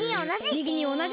みぎにおなじ！